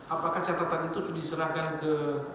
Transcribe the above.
apakah catatan itu sudah diserahkan ke